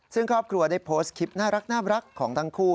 ซึ่งครอบครัวได้โพสต์คลิปน่ารักของทั้งคู่